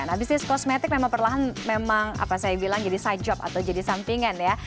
nah bisnis kosmetik memang perlahan memang apa saya bilang jadi side job atau jadi sampingan ya